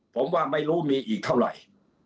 ผมว่าไม่รู้มีอีกเท่าไหร่